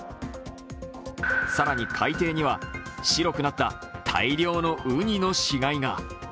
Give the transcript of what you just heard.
更に海底には白くなった大量のウニの死骸が。